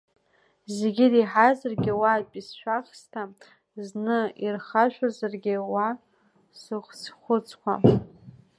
Зегьы иреиҳазаргь уатәи сшәахсҭа, зны урхашәозаргьы уа сыхцәхәыцқәа.